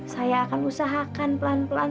saya akan usahakan pelan pelan